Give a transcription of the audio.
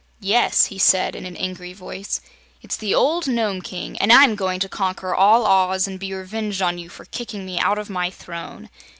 "Yes," he said in an angry voice, "it's the old Nome King, and I'm going to conquer all Oz and be revenged on you for kicking me out of my throne."